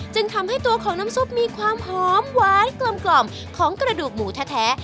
จึงทำให้ตัวของน้ำซุปมีความหอมหวานกลมของกระดูกหมูแท้